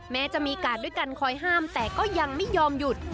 แม้จะมีกาดด้วยกันคอยห้ามแต่ก็ยังไม่ยอมหยุด